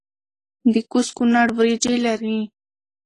د کوز کونړ وریجې لري